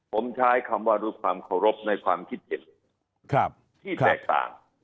ผมใช้คำว่าด้วยความเคารพในความคิดเห็นที่แตกต่าง